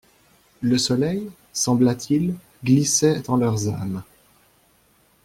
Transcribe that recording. Le soleil, sembla-t-il, glissait en leurs âmes.